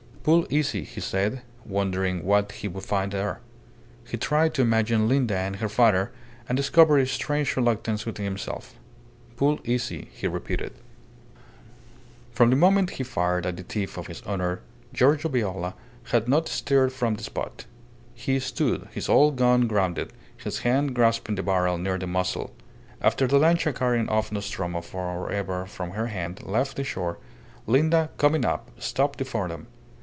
"Pull easy," he said, wondering what he would find there. He tried to imagine Linda and her father, and discovered a strange reluctance within himself. "Pull easy," he repeated. From the moment he fired at the thief of his honour, Giorgio Viola had not stirred from the spot. He stood, his old gun grounded, his hand grasping the barrel near the muzzle. After the lancha carrying off Nostromo for ever from her had left the shore, Linda, coming up, stopped before him.